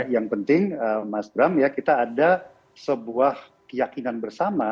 yang penting mas bram ya kita ada sebuah keyakinan bersama